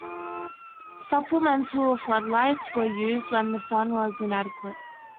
Supplemental floodlights were used when the sun was inadequate.